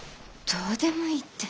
どうでもいいって。